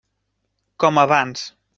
Com abans.